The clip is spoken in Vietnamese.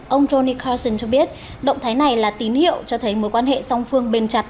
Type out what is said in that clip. ông johni kolson cho biết động thái này là tín hiệu cho thấy mối quan hệ song phương bền chặt